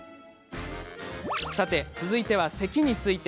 さて続いては、せきについて。